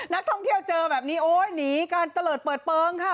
นักท่องเที่ยวเจอแบบนี้โอ๊ยหนีการเตลิดเปิดเปิงค่ะ